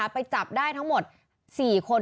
ไปจับได้ทั้งหมด๔คน